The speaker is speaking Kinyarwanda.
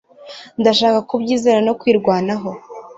ndashaka kubyizera no kwirwanaho